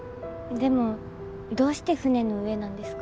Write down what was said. でもどうして船の上なんですか？